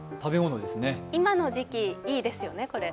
今の時期、いいですよね、これ。